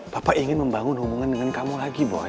papa ingin membangun hubungan dengan kamu lagi boy